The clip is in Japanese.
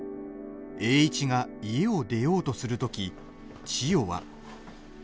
栄一が家を出ようとするとき千代は。